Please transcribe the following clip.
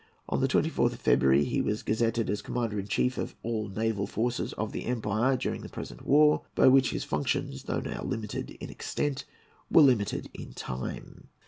On the 24th of February he was gazetted as "Commander in Chief of all the Naval Forces of the Empire during the present war," by which his functions, though not now limited in extent, were limited in time.